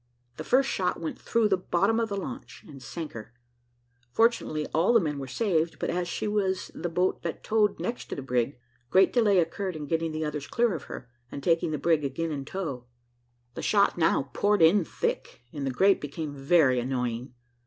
The first shot went through the bottom of the launch, and sank her; fortunately, all the men were saved; but as she was the boat that towed next to the brig, great delay occurred in getting the others clear of her, and taking the brig again in tow. The shot now poured in thick, and the grape became very annoying.